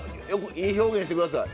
いい表現して下さい。